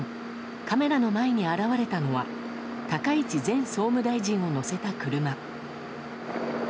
カメラの前に現れたのは高市前総務大臣を乗せた車。